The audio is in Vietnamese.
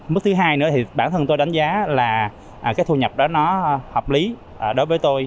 mức thứ hai nữa thì bản thân tôi đánh giá là cái thu nhập đó nó hợp lý đối với tôi